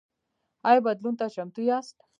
ایا بدلون ته چمتو یاست؟